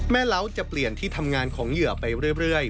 เล้าจะเปลี่ยนที่ทำงานของเหยื่อไปเรื่อย